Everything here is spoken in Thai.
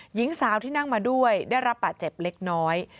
หญิงสาวที่นั่งมาด้วยได้รับบาดเจ็บเล็กน้อย